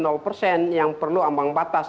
nol persen yang perlu ambang batas